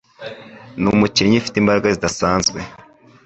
numukinnyi ufite imbaraga zidasanzwe.